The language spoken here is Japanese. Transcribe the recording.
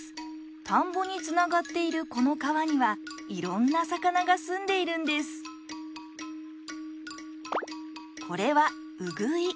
田んぼにつながっているこの川にはいろんな魚が住んでいるんですこれはウグイ。